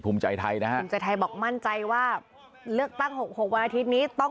รู้ว่าจะติดต่อใครจะทำอย่างไรจะหาคืนจากไหน